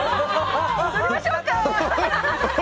踊りましょう！